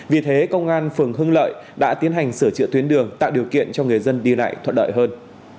vì thế công an phường hưng lợi đã tiến hành sửa chữa tuyến đường tạo điều kiện cho người dân đi lại thuận lợi hơn